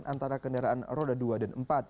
antara kendaraan roda dua dan empat